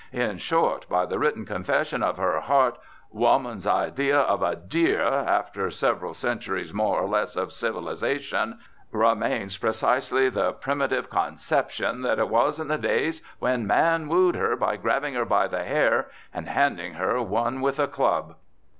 In short, by the written confession of her heart, woman's idea of a 'dear,' after several centuries more or less of civilisation, remains precisely the primitive conception that it was in the days when man wooed her by grabbing her by the hair and handing her one with a club."